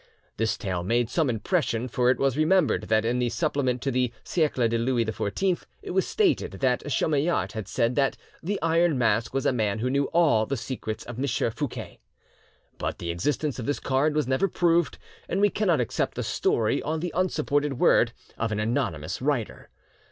This tale made some impression, for it was remembered that in the Supplement to the 'Siecle de Louis XIV' it was stated that Chamillart had said that "the Iron Mask was a man who knew all the secrets of M. Fouquet." But the existence of this card was never proved, and we cannot accept the story on the unsupported word of an anonymous writer.